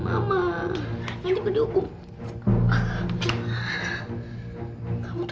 masa ini aku mau ke rumah